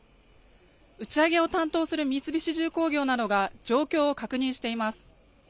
打ち上げを担当する三菱重工業などが状況を確認しています。